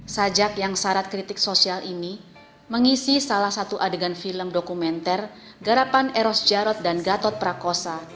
sajak yang syarat kritik sosial ini mengisi salah satu adegan film dokumenter garapan eros jarod dan gatot prakosa